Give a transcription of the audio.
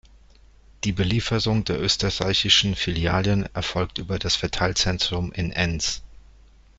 Die Belieferung der österreichischen Filialen erfolgt über das Verteilzentrum in Enns.